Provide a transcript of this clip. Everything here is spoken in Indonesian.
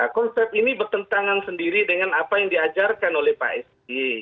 konsep ini bertentangan sendiri dengan apa yang diajarkan oleh pak sby